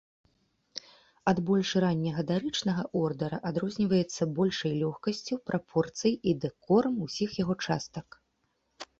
Ад больш ранняга дарычнага ордара адрозніваецца большай лёгкасцю прапорцый і дэкорам усіх яго частак.